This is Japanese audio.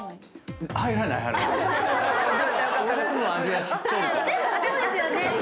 そうですよね。